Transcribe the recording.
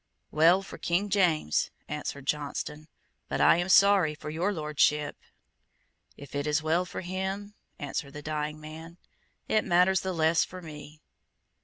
"Well for King James;" answered Johnstone: "but I am sorry for Your Lordship." "If it is well for him," answered the dying man, "it matters the less for me."